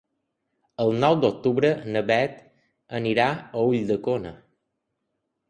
El nou d'octubre na Beth anirà a Ulldecona.